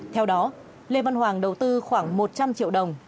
theo đó lê văn hoàng đầu tư khoảng một trăm linh triệu đồng